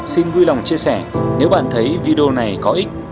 xin vui lòng chia sẻ nếu bạn thấy video này có ích